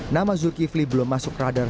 nama zulkifli belum masuk radar